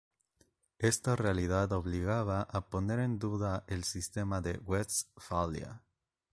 Esta realidad obligaba a poner en duda el sistema de Westfalia.